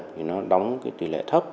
thì nó đóng cái tỷ lệ thấp